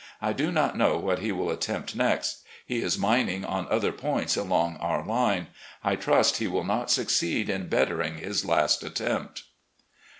I do not know what he will attempt next. He is mining on other points along our line. I trust he will not succeed in bettering his last attempt.